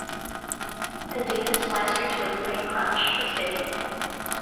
A Dana Splicer twin plate clutch was fitted.